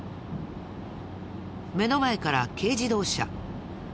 目の前から軽自動車。